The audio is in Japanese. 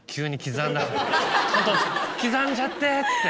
「刻んじゃって！」っつって。